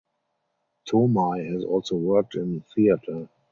Tomei has also worked in theater.